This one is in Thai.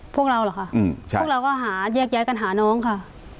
พวกเราเหรอค่ะพวกเราก็หาแยกย้ายกันหาน้องค่ะ